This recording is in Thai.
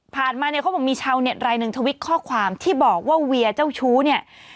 มาเนี่ยเขาบอกมีชาวเน็ตรายหนึ่งทวิตข้อความที่บอกว่าเวียเจ้าชู้เนี่ย